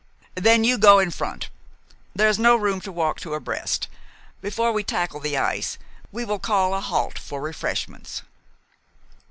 "Then you go in front. There is no room to walk two abreast. Before we tackle the ice we will call a halt for refreshments."